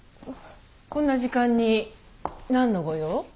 こんな時間に何のご用？